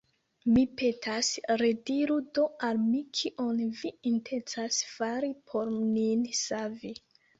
Mi petas, rediru do al mi, kion vi intencas fari por nin savi.